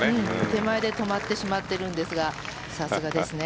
手前で止まってしまっているんですがさすがですね。